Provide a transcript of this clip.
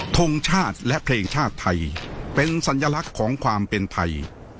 ทงชาติและเพลงชาติไทยเป็นสัญลักษณ์ของความเป็นไทย